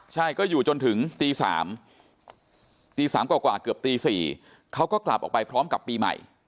ใช่ก็อยู่จนถึงตี๓ตี๓กว่าเกือบตี๔เขาก็กลับออกไปพร้อมกับปีใหม่